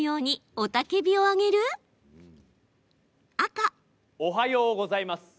おはようございます。